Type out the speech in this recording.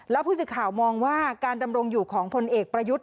แล้วผู้สื่อข่าวมองว่าการดำรงอยู่ของพลเอกประยุทธ์